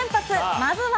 まずは。